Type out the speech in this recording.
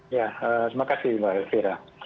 ya terima kasih mbak elvira